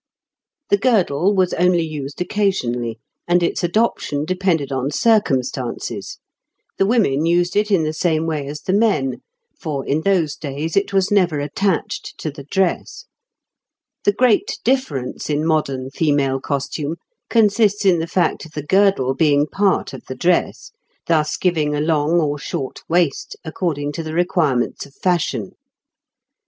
The girdle was only used occasionally, and its adoption depended on circumstances; the women used it in the same way as the men, for in those days it was never attached to the dress. The great difference in modern female costume consists in the fact of the girdle being part of the dress, thus giving a long or short waist, according to the requirements of fashion.